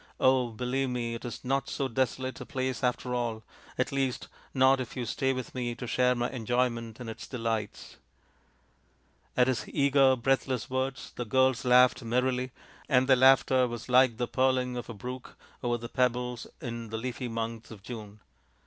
Oh, believe me, it is not 268 THE INDIAN STORY BOOK so desolate a place after all at least, not if you stay with me to share my enjoyment in its delights." At his eager, breathless words the girls laughed merrily, and their laughter was like the purling of a brook over the pebbles in the leafy month of June.